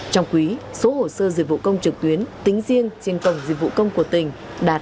trong quý số hồ sơ dịch vụ công trực tuyến tính riêng trên cộng dịch vụ công của tỉnh đạt chín mươi tám chín